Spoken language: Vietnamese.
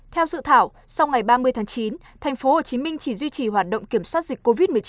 theo dự thảo sau ngày ba mươi tháng chín tp hcm chỉ duy trì hoạt động kiểm soát dịch covid một mươi chín